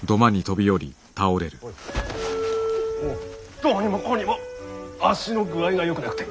どうにもこうにも足の具合がよくなくて。